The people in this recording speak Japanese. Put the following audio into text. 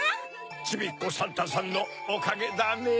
ちびっこサンタさんのおかげだねぇ。